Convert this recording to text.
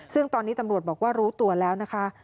ซึ่งตอนนี้ตำรวจบอกว่ารู้ตัวแล้วนะคะ